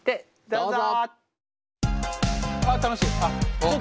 どうぞ。